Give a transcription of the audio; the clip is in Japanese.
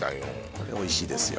これおいしいですよ